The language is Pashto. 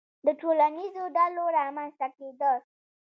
• د ټولنیزو ډلو رامنځته کېدل.